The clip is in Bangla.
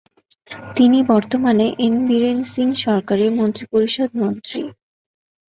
তিনি বর্তমানে এন বীরেন সিং সরকারে মন্ত্রিপরিষদ মন্ত্রী।